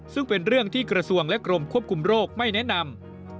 ซึ่งเป็นเรื่องที่กระทรวงและกรมควบคุมโรคไม่แนะนำ